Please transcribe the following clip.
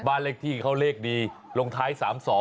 บ้านเลขที่เขาเลขดีลงท้าย๓๒